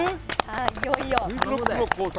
いよいよ。